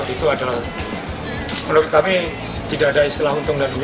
itu adalah menurut kami tidak ada istilah untung dan uang